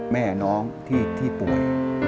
แม่น้องที่ป่วย